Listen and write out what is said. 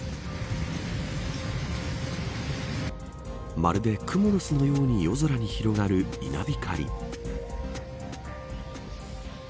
まるで、くもの巣のように夜空に広がる稲光。